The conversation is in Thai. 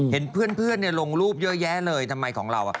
เห็นเพื่อนลงรูปเยอะแยะเลยทำไมของเรา